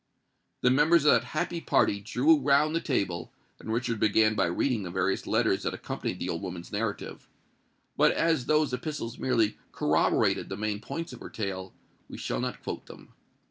The members of that happy party drew round the table; and Richard began by reading the various letters that accompanied the old woman's narrative. But as those epistles merely corroborated the main points of her tale, we shall not quote them.